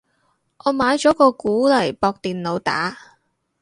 我買咗個鼓嚟駁電腦打